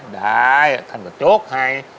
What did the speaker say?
ได้ท่านก็โจ๊กไหาย